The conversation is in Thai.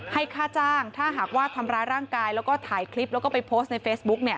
ค่าจ้างถ้าหากว่าทำร้ายร่างกายแล้วก็ถ่ายคลิปแล้วก็ไปโพสต์ในเฟซบุ๊กเนี่ย